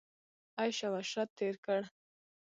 عیش او عشرت تېر کړ.